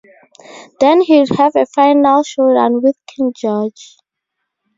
Then, he'd have a final showdown with King Gorge.